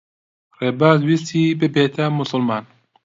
ڕێباز ویستی ببێتە موسڵمان.